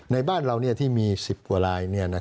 ในบ้านเราที่มี๑๐กว่าลาย